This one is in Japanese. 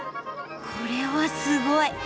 これはすごい！